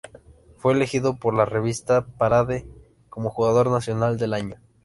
Fue elegido por la revista Parade como Jugador Nacional del Año.